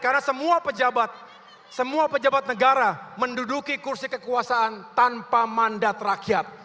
karena semua pejabat semua pejabat negara menduduki kursi kekuasaan tanpa mandat rakyat